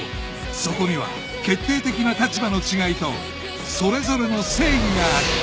そこには決定的な立場の違いとそれぞれの正義がある